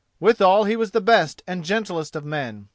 Withal he was the best and gentlest of men.